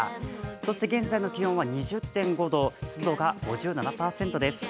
そして現在の気温は２０．５度湿度が５７％です。